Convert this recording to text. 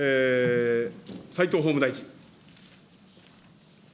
齋藤法務大臣。